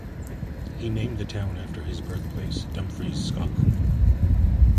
He named the town after his birthplace, Dumfries, Scotland.